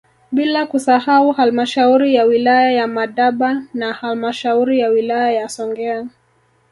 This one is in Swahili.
Bila kusahau halmashauri ya wilaya ya Madaba na halmashauri ya wilaya ya Songea